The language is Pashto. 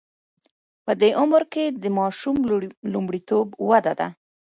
په دې عمر کې د ماشوم لومړیتوب وده ده.